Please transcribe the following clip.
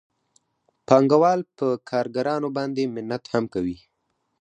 پانګوال په کارګرانو باندې منت هم کوي